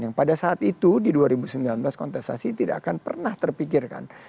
yang pada saat itu di dua ribu sembilan belas kontestasi tidak akan pernah terpikirkan